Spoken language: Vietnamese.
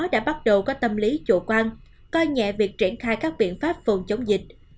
đã bắt đầu có tâm lý chủ quan coi nhẹ việc triển khai các biện pháp phòng chống dịch